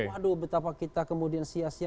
waduh betapa kita kemudian sia sia